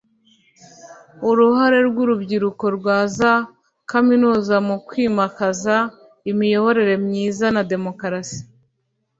Uruhare rw’urubyiruko rwa za kaminuza mu kwimakaza imiyoborere myiza na demokarasi